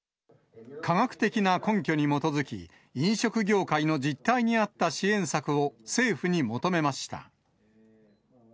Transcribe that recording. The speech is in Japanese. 科学的な根拠に基づき、飲食業界の実態に合った支援策を政府に求めました。